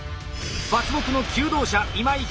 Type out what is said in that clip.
伐木の求道者今井